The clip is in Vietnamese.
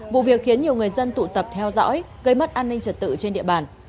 vụ việc khiến nhiều người dân tụ tập theo dõi gây mất an ninh trật tự trên địa bàn